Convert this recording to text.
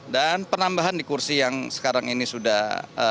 dan penambahan di kursi yang sekarang ini sudah